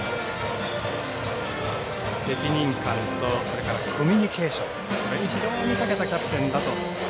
責任感とコミュニケーションそれに非常にたけたキャプテンだと。